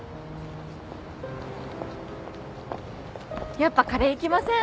やっぱカレー行きません？